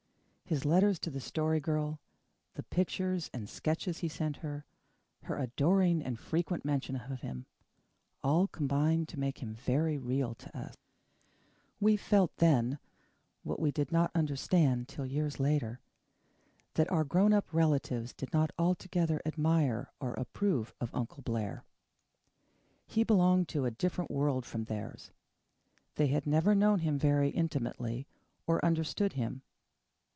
His letters to the Story Girl, the pictures and sketches he sent her, her adoring and frequent mention of him, all combined to make him very real to us. We FELT then, what we did not understand till later years, that our grown up relatives did not altogether admire or approve of Uncle Blair. He belonged to a different world from theirs. They had never known him very intimately or understood him.